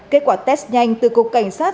kết quả test nhanh từ cục cảnh sát